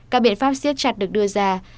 các biện pháp siết chặt được đưa ra